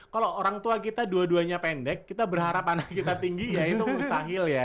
kalau orang tua kita dua duanya pendek kita berharap anak kita tinggi ya itu mustahil ya